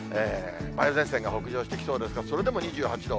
梅雨前線が北上してきそうですが、それでも２８度。